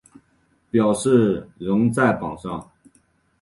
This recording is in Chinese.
表示仍在榜上